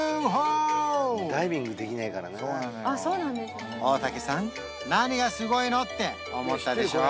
ダイビングできねえからなそうなのよ大竹さん何がすごいの？って思ったでしょ？